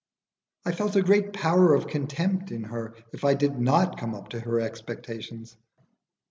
I felt a great power of contempt in her, if I did not come up to her expectations.